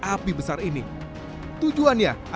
api besar ini tujuan saya adalah